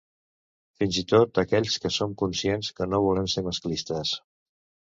Fins i tot aquells que som conscients que no volem ser masclistes.